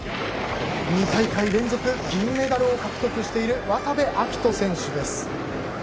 ２大会連続銀メダルを獲得している渡部暁斗選手です。